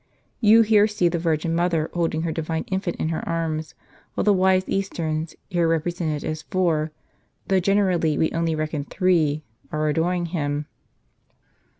You here see the Virgin Mother holding her Divine Infant in her arms, while the wise Easterns, here represented as four, though generally we only reckon three, are adoring Him."